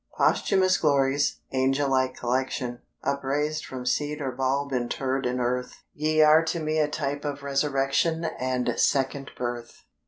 "Posthumous glories, angel like collection, Upraised from seed or bulb interred in earth, Ye are to me a type of resurrection And second birth."